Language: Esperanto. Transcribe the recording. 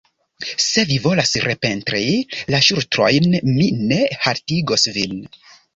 Se vi volas repentri la ŝutrojn, mi ne haltigos vin.